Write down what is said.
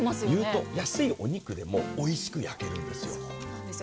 言うと、安いお肉でもおいしく焼けるんですよ。